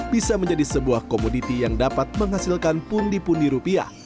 bisa menjadi sebuah komoditi yang dapat menghasilkan pundi pundi rupiah